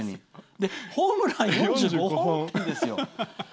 ホームラン４５本打ってるんですよ。